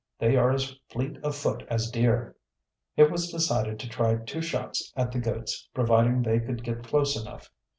"They are as fleet of foot as deer." It was decided to try two shots at the goats, providing they could get close enough.